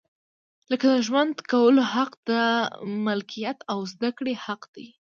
لکه د ژوند کولو حق، د ملکیت او زده کړې حق دی.